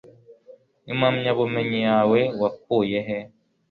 Impamyabumenyi yawe wakuye he?